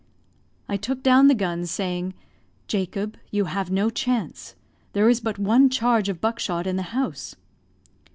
I took down the gun, saying, "Jacob, you have no chance; there is but one charge of buck shot in the house."